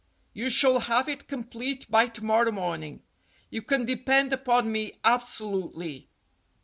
You shall have it complete by to morrow morning. You can depend upon me abso lutely.